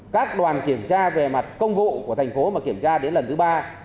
các đoàn kiểm tra về mặt công vụ của thành phố mà kiểm tra đến lần thứ ba